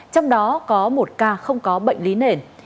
trong đó có một ca không có bệnh lý nền